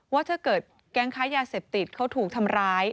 ว่าถ้าเกิดแก๊งค้ายาเสพติดเขาถูกทำร้าย